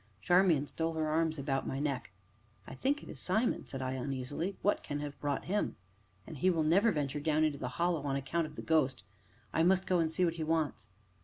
Charmian stole her arms about my neck. "I think it is Simon," said I uneasily; "what can have brought him? And he will never venture down into the Hollow on account of the ghost; I must go and see what he wants."